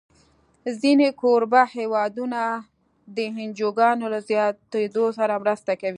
ځینې کوربه هېوادونه د انجوګانو له زیاتېدو سره مرسته کوي.